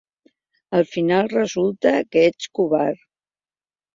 Al final, resulta que ets covard.